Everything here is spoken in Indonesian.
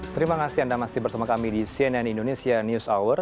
terima kasih anda masih bersama kami di cnn indonesia news hour